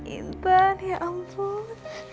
intan ya ampun